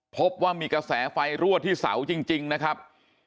พบว่ามีกระแสไฟรั่วที่เสาจริงนะครับ